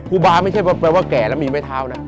ครูบาไม่ใช่แปลว่าแก่แล้วมีไม้เท้านะ